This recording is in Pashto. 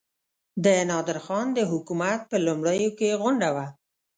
د نادرخان د حکومت په لومړیو کې غونډه وه.